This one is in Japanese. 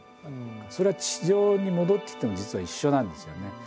それは地上に戻ってきても実は一緒なんですよね。